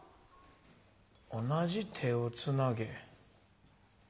「同じ手をつなげ」？